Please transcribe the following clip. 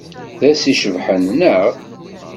D ass icebḥen, naɣ?